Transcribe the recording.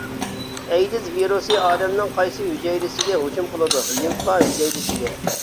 ئەيدىز ۋىرۇسى ئادەمنىڭ قايسى ھۈجەيرىسىگە ھۇجۇم قىلىدۇ؟ لىمفا ھۈجەيرىسىگە.